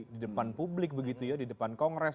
di depan publik begitu ya di depan kongres